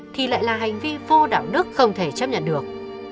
thì lại là hành vi vô đạo đức không thể chấp nhận được